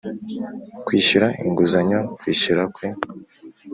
kwishyura inguzanyo kwishyura kwe